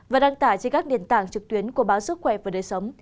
và đăng tải trên các nền tảng trực tuyến của báo sức khỏe và đời sống